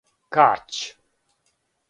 Каћ